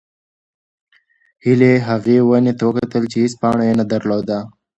هیلې هغې ونې ته وکتل چې هېڅ پاڼه یې نه درلوده.